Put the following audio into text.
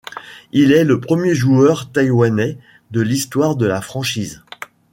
Il est le premier joueur taïwanais de l'histoire de la franchise.